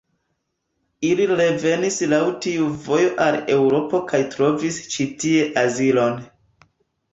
Ili revenis laŭ tiu vojo al Eŭropo kaj trovis ĉi tie azilon.